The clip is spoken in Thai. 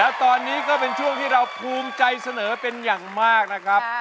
แล้วตอนนี้ก็เป็นช่วงที่เราภูมิใจเสนอเป็นอย่างมากนะครับ